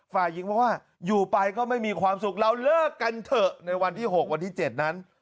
ฝ่ายหญิงบอกว่าอยู่ไปก็ไม่มีความสุขเราเลิกกันเถอะในวันที่๖วันที่๗นั้น